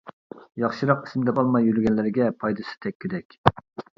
ياخشىراق ئىسىم تاپالماي يۈرگەنلەرگە پايدىسى تەگكۈدەك.